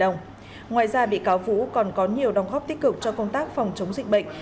ngoài ra bị cáo vũ còn có nhiều đóng góp tích cực cho công tác phòng chống dịch bệnh